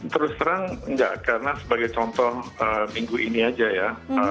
terus terang enggak karena sebagai contoh minggu ini aja ya